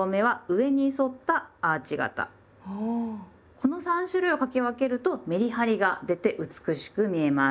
この３種類を書き分けるとメリハリが出て美しく見えます。